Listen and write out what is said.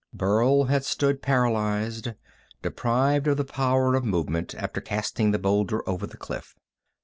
Burl had stood paralyzed, deprived of the power of movement, after casting the boulder over the cliff.